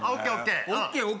ＯＫＯＫ